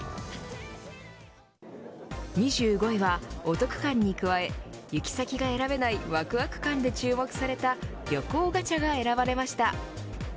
２５位はお得感に加え行き先が選べないわくわく感で注目された旅行ガチャが選ばれました。